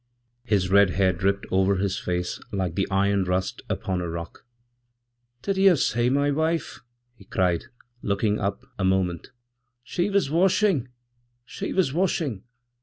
His red hair dripped over his face like the ironrust upon a rock. 'Did you see my wife?' he cried, looking up amoment; 'she was washing! she was washing!'